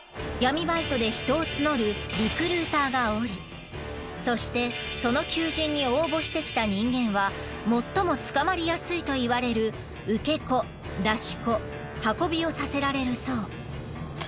闇バイトで人を募るリクルーターがおりそしてその求人に応募してきた人間は最も捕まりやすいといわれる受け子出し子運びをさせられるそう。